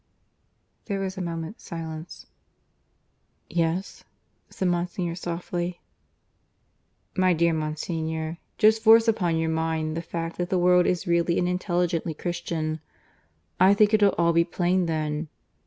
..." There was a moment's silence. "Yes?" said Monsignor softly. "My dear Monsignor, just force upon your mind the fact that the world is really and intelligently Christian. I think it'll all be plain then.